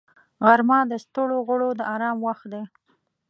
غرمه د ستړو غړو د آرام وخت دی